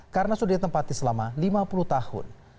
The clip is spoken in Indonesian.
karena sudah ditempati selama lima puluh tahun